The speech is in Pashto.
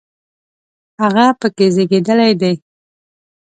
هغه په کې زیږېدلی دی.